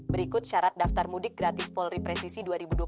berikut syarat daftar mudik gratis polri presisi dua ribu dua puluh tiga